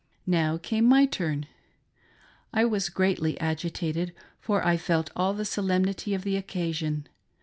Now came my turn. I was greatly agitated, for I felt all the solemnity of the occasion.